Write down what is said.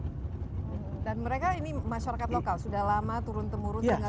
iya dan mereka ini masyarakat lokal sudah lama turun temurun tinggal disini ya